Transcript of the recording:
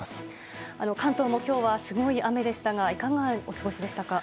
関東も今日はすごい雨でしたがいかがお過ごしでしたか？